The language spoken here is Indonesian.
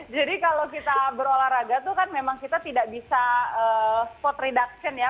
jadi kalau kita berolahraga tuh kan memang kita tidak bisa spot reduction ya